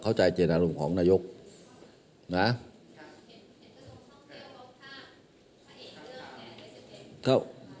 เข้าใจเจนอารมณ์ของนายกนะ